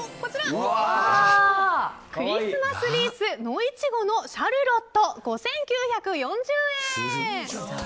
クリスマスリース野いちごのシャルロット５９４０円。